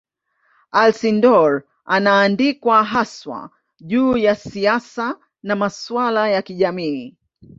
Alcindor anaandikwa haswa juu ya siasa na masuala ya kijamii.